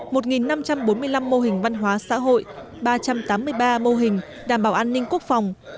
một năm trăm bốn mươi năm mô hình văn hóa xã hội ba trăm tám mươi ba mô hình đảm bảo an ninh quốc phòng